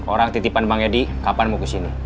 orang titipan bang edi kapan mau kesini